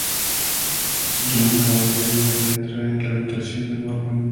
Jon la abre y se adentra en la habitación de Mormont.